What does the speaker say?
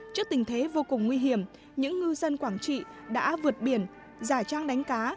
trước tình thế vô cùng nguy hiểm những ngư dân quảng trị đã vượt biển giả trang đánh cá